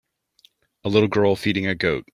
A little girl feeding a goat.